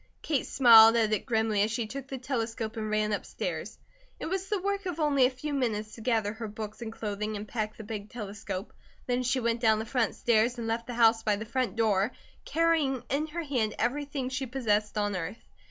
Kate smiled at it grimly as she took the telescope and ran upstairs. It was the work of only a few minutes to gather her books and clothing and pack the big telescope, then she went down the front stairs and left the house by the front door carrying in her hand everything she possessed on earth.